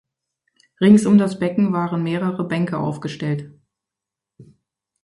Rings um das Becken waren mehrere Bänke aufgestellt.